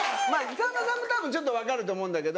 さんまさんもたぶんちょっと分かると思うんだけど。